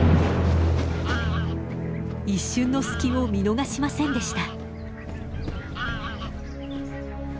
一瞬の隙を見逃しませんでした。